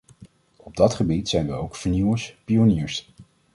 Op dat gebied zijn wij ook vernieuwers, pioniers.